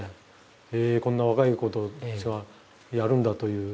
へえこんな若い子たちがやるんだという。